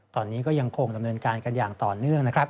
ตอนนี้ยังคงตำเนินการกันอย่างต่อเนื่อง